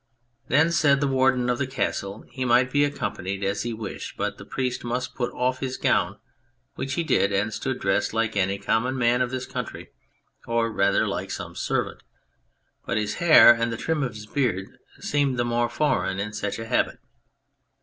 Then said the Warden of the Castle, he might be accompanied as he wished, but the priest must put off his gown : which he did and stood dressed like any common man of this country, or rather like some servant. But his hair and the trim of his beard seemed the more foreign in such a habit.